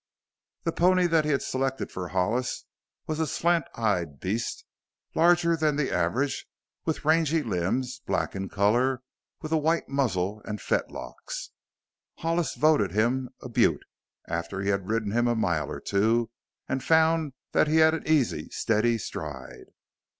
The pony that he had selected for Hollis was a slant eyed beast, larger than the average, with rangy limbs, black in color with a white muzzle and fetlocks. Hollis voted him a "beaut" after he had ridden him a mile or two and found that he had an easy, steady stride.